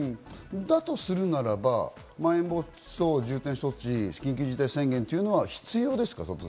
だとすれば、まん延防止等重点措置、緊急事態宣言は必要ですか？